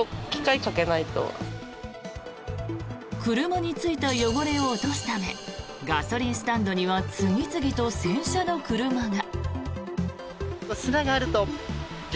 車についた汚れを落とすためガソリンスタンドには次々と洗車の車が。